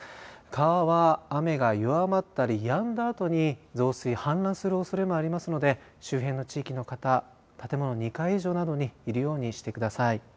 川は雨が弱まったりやんだりしたあとに増水、氾濫するおそれもありますので周辺の地域の方、建物の２階以上などにいるようにしてください。